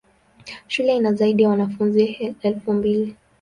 Shule ina zaidi ya wanafunzi elfu mbili.